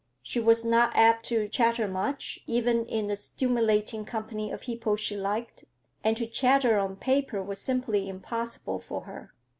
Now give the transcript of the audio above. She was not apt to chatter much, even in the stimulating company of people she liked, and to chatter on paper was simply impossible for her.